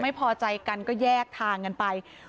ไม่พอใจกันก็แยกทางกันไป